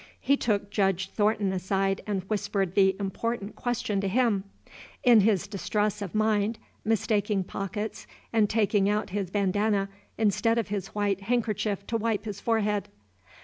He took Judge Thornton aside and whispered the important question to him, in his distress of mind, mistaking pockets and taking out his bandanna instead of his white handkerchief to wipe his forehead.